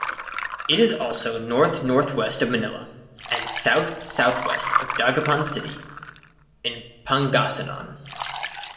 It is also north-north-west of Manila, and south-south-west of Dagupan City in Pangasinan.